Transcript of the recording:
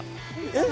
えっ！